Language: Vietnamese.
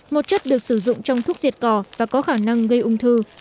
một chất được sử dụng trong thuốc diệt cỏ và có khả năng gây ung thư